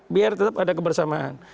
biar tetap ada kebersamaan